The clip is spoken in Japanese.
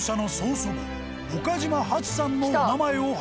祖母岡嶋はつさんのお名前を発見］